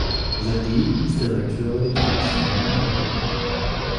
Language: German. Seitdem ist er Redakteur bei den Tagesthemen in Hamburg.